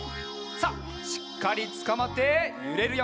さあしっかりつかまってゆれるよ。